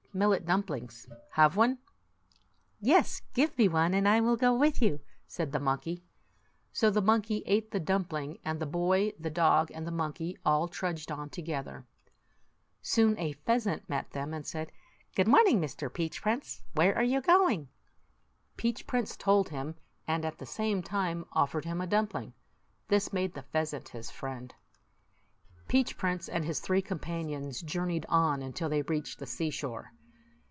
" Millet dumplings. Have one ?" "Yes; give me one, and I will go with you," said the monkey. So the monkey ate the dumpling; and the boy, the dog, and the mon key all trudged on together. Soon a pheasant met them, and said, " Good morning, Mr. Peach Prince; where are you go ing?" Peach Prince told him, and at the same time offered him a dumpling. This made the pheasant his friend. Peach Prince and his three companions jour neyed on until they reached the seashore.